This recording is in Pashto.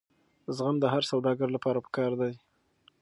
زغم د هر سوداګر لپاره پکار دی.